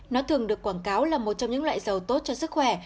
nó thường được quảng cáo là một trong những loại dầu tốt cho sức khỏe